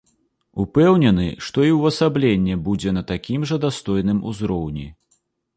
Упэўнены, што і ўвасабленне будзе на такім жа дастойным узроўні.